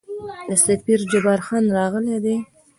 د سفیر جبارخان راغلی دی.